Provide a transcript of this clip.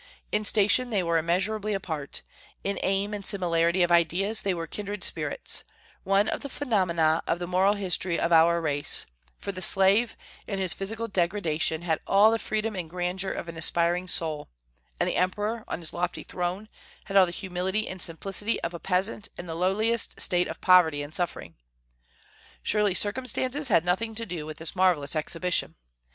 In station they were immeasurably apart; in aim and similarity of ideas they were kindred spirits, one of the phenomena of the moral history of our race; for the slave, in his physical degradation, had all the freedom and grandeur of an aspiring soul, and the emperor, on his lofty throne, had all the humility and simplicity of a peasant in the lowliest state of poverty and suffering. Surely circumstances had nothing to do with this marvellous exhibition.